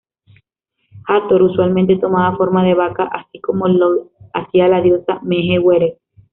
Hathor, usualmente tomaba forma de vaca, así como lo hacía la diosa Mehet-Weret.